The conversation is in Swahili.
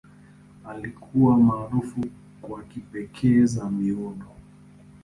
Alikuwa maarufu kwa kipekee za miundo.